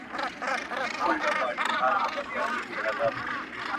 • له قاتله چي څوک ځان نه سي ژغورلای -